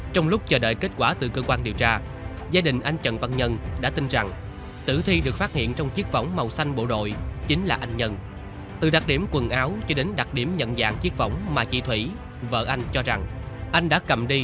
từ khi anh trần văn nhân bị bắt đầu sử dụng chiếc vỏng màu xanh anh nhân không còn vui vẻ để gửi lại bọn anh trần văn nhân